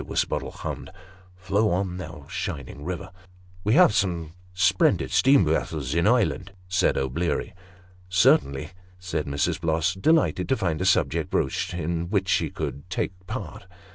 Wisbottle hummed, " Flow on, thou shining river." " We have some splendid steam vessels in Ireland," said O'Bleary. " Certainly," said Mrs. Bloss, delighted to find a subject broached in which she could take part.